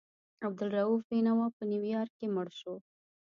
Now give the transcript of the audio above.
عبدالرؤف بېنوا په نیویارک کې مړ شو.